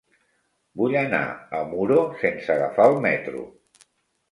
Vull anar a Muro sense agafar el metro.